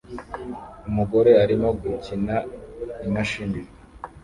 Umugore arimo gukina imashini